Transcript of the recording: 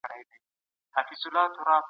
ميرويس خان په کندهار کي کوم کارونه پیل کړل؟